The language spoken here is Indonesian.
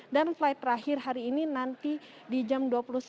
dan flight terakhir hari ini nanti di jam dua puluh satu lima